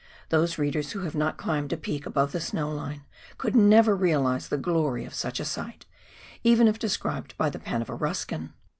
Those readers who have not climbed a peak above the snow line could never realise the glory of such a sight, even if described by the pen of a Ruskin.